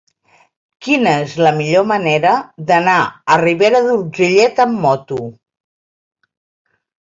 Quina és la millor manera d'anar a Ribera d'Urgellet amb moto?